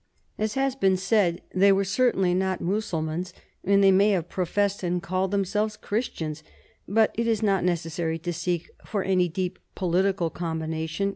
As has been said, they were certainly not Mussulmans, and they may have professed and called themselves Christians, but it is not necessary to seek for any deep political combination.